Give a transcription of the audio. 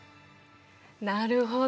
なるほど。